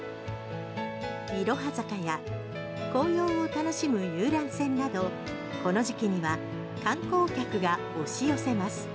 いろは坂や紅葉を楽しむ遊覧船などこの時期には観光客が押し寄せます。